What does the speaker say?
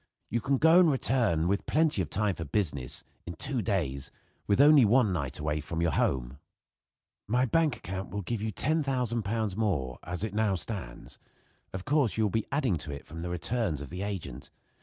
You can go and return, with plenty of time for business, in two days, with only one night away from your home. "My bank account will give you £10,000 more, as it now stands. Of course you will be adding to it from the returns of the agent.